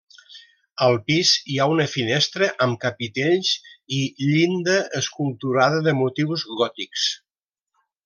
Al pis hi ha una finestra amb capitells i llinda esculturada de motius gòtics.